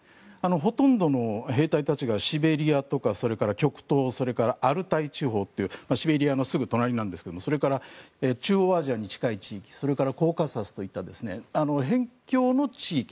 ほとんどの兵隊たちがシベリアとか極東アルタイ地方というシベリアのすぐ隣ですがそれから中央アジアに近い地域それからコーカサスというような辺境の地域